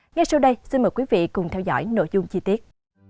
ngay sau đây xin mời quý vị cùng theo dõi nội dung chi tiết